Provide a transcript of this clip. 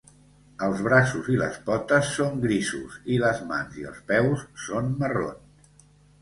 Els braços i les potes són grisos i les mans i els peus són marrons.